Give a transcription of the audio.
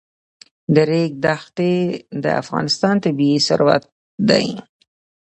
د ریګ دښتې د افغانستان طبعي ثروت دی.